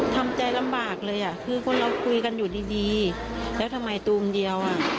ทำใจลำบากเลยอ่ะคือคนเราคุยกันอยู่ดีแล้วทำไมตูมเดียวอ่ะ